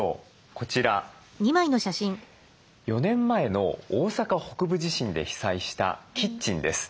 こちら４年前の大阪北部地震で被災したキッチンです。